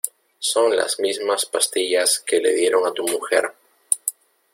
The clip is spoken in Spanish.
son las mismas pastillas que le dieron a tu mujer